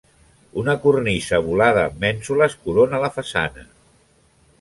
Una cornisa volada amb mènsules corona la façana.